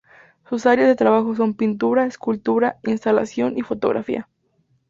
Sus áreas de trabajo son: pintura, escultura, instalación y fotografía.